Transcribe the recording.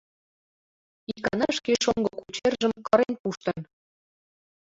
Икана шке шоҥго кучержым кырен пуштын.